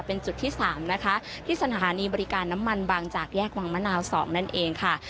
เป็นจุดที่๓นะคะที่สถานีบริการน้ำมันบางจากแยกวังมะนาว๒นั่นเองค่ะ